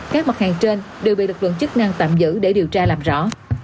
các mặt hàng trên đều bị lực lượng chức năng tạm giữ để điều tra làm rõ